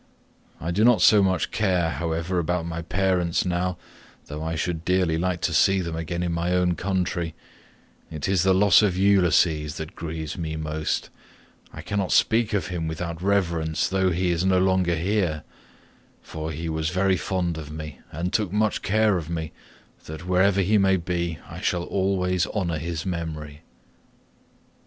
I do not so much care, however, about my parents now, though I should dearly like to see them again in my own country; it is the loss of Ulysses that grieves me most; I cannot speak of him without reverence though he is here no longer, for he was very fond of me, and took such care of me that wherever he may be I shall always honour his memory."